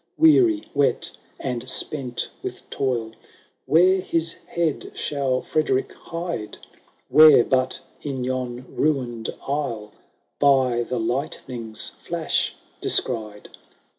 Weary, wet, and spent with toil, Where his head shall Frederick hide? Where, but in yon ruined aisle, By the lightning's flash descried.